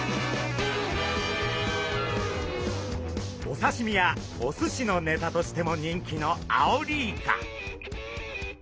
おさしみやおすしのネタとしても人気のアオリイカ。